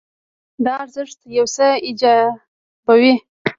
دا ارزښت یو څه ایجابوي.